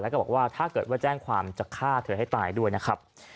แล้วก็บอกว่าถ้าเกิดว่าแจ้งความจะฆ่าเธอให้ตายด้วยนะครับ